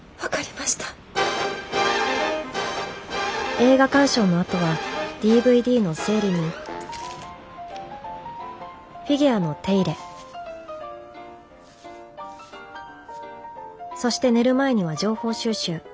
映画鑑賞のあとはＤＶＤの整理にフィギュアの手入れそして寝る前には情報収集。